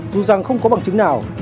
dù rằng không có bằng chứng nào